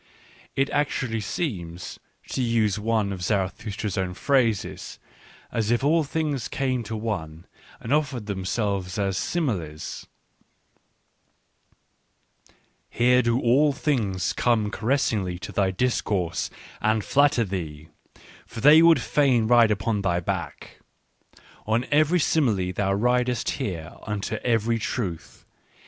1 1 actually seems, to use one of Zarathustra's Digitized by Google WHY I WRITE SUCH EXCELLENT BOOKS 103 own phrases, as if all things came to one, ana | offered themselves as similes. (" Here do all things I come caressingly to thy discourse and flatter thee, for they would fain ride upon thy back. On every simile thou ridest here unto every truth.